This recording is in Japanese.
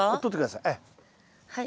はい。